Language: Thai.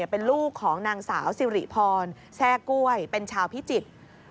เป็นลูกของนางสาวสิริพรแทร่กล้วยเป็นชาวพิจิตร